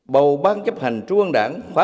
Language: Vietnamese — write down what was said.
bầu ban giáp hành trung an đảng khóa một mươi hai